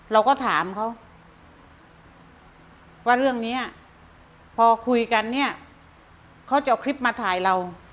เราก็ถามเขาว่าเรื่องนี้พอคุยกันเนี่ยเขาจะเอาคลิปมาถ่ายเรา